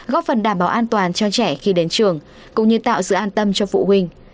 góp phần đảm bảo an toàn cho trẻ khi đến trường cũng như tạo sự an tâm cho phụ huynh